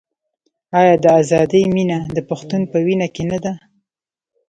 آیا د ازادۍ مینه د پښتون په وینه کې نه ده؟